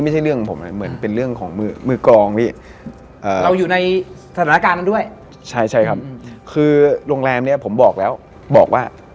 เหมือนเค้ามาเตือนมาบอก